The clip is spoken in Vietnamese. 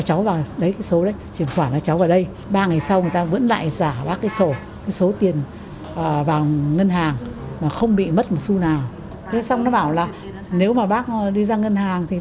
thế xong nó bảo là nếu mà bác đi ra ngân hàng thì bác không được nói với ai